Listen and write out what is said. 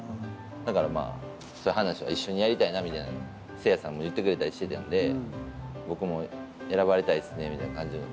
だからまあ、話は、一緒にやりたいなみたいな、誠也さんも言ってくれたりしてたんで、僕も選ばれたいですね、みたいな感じの。